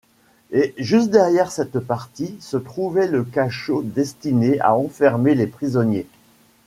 Et juste derrière cette partie se trouvait le cachot destiné à enfermer les prisonniers.